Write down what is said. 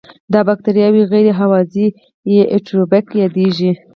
دا بکټریاوې غیر هوازی یا انئیروبیک یادیږي.